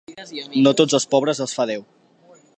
No tots els pobres els fa Déu.